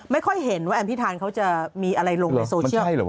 ไม่ค่อยเห็นว่าแอมพิธานเขาจะมีอะไรลงในโซเชียล